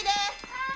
はい！